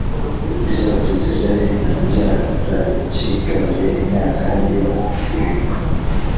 ry abatutsi ryari ryarakigaruriye imyaka niba ibintu